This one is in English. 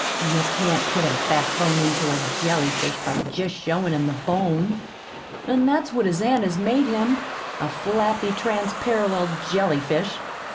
"You can't put a backbone into a jellyfish by jest showin' him the bone an' that's what his aunt has made him a flappy, transparallel jellyfish.